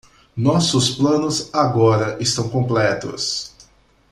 Nossos planos agora estão completos.